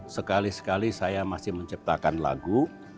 sekali sekali saya masih menciptakan lagu